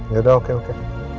yaudah oke oke